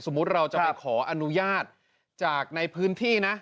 เราจะไปขออนุญาตจากในพื้นที่นะ